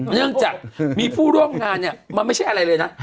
เนื่องจากมีผู้ร่วมงานเนี่ยมันไม่ใช่อะไรเลยนะ